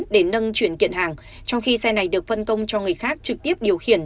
để nâng chuyển kiện hàng trong khi xe này được phân công cho người khác trực tiếp điều khiển